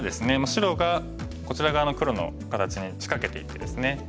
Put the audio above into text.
白がこちら側の黒の形に仕掛けていってですね